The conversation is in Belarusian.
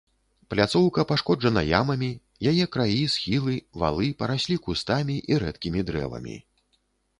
Пляцоўка пашкоджана ямамі, яе краі, схілы, валы параслі кустамі і рэдкімі дрэвамі.